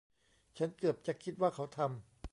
ฉันเกือบจะคิดว่าเขาทำ